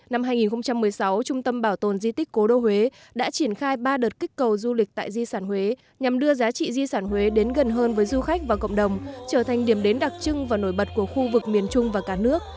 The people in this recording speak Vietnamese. năm hai nghìn một mươi sáu trung tâm bảo tồn di tích cố đô huế đã triển khai ba đợt kích cầu du lịch tại di sản huế nhằm đưa giá trị di sản huế đến gần hơn với du khách và cộng đồng trở thành điểm đến đặc trưng và nổi bật của khu vực miền trung và cả nước